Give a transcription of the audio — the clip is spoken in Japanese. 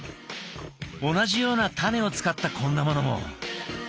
同じようなタネを使ったこんなものも。